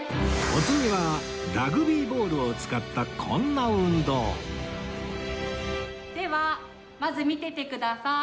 お次はラグビーボールを使ったこんな運動ではまず見ててください。